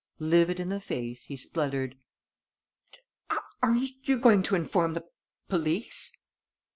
Livid in the face, he spluttered: "Are you going to inform the police?"